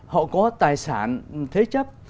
họ có tài sản thế chấp